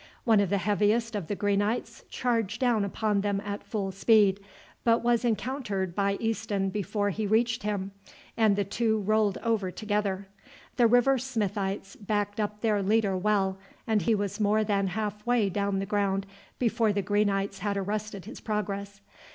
One of the heaviest of the Greenites charged down upon them at full speed, but was encountered by Easton before he reached him, and the two rolled over together. The River Smithites backed up their leader well, and he was more than half way down the ground before the Greenites had arrested his progress.